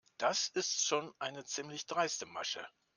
Das ist schon eine ziemlich dreiste Masche.